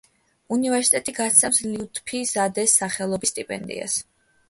უნივერსიტეტი გასცემს ლიუთფი ზადეს სახელობის სტიპენდიას.